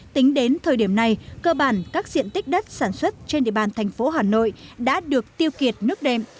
tính đến thời điểm này cơ bản các diện tích đất sản xuất trên địa bàn thành phố hà nội đã được tiêu kiệt nước đệm